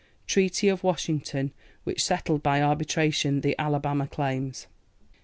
TREATY OF WASHINGTON, which settled by arbitration the Alabama claims. 1872.